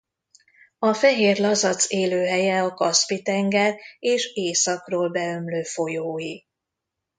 A fehér lazac élőhelye a Kaszpi-tenger és északról beömlő folyói.